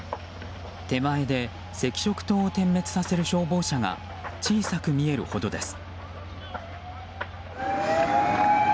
手前で赤色灯を点滅させる消防車が小さく見えるほどです。